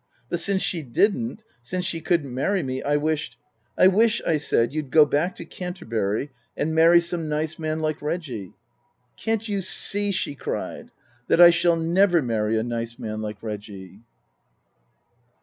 But since she didn't, since she couldn't marry me, I wished " I wish," I said, " you'd go back to Canterbury and marry some nice man like Reggie." " Can't you see," she cried, " that I shall never marry a nice man like Reggie